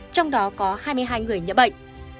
trong đó có hai mươi hai người nhận bệnh